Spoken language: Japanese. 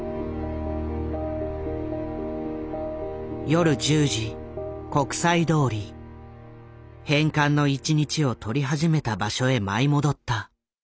夜１０時返還の１日を撮り始めた場所へ舞い戻った。